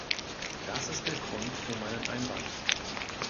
Das ist der Grund für meinen Einwand.